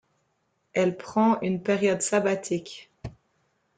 Elle prend une période sabbatique.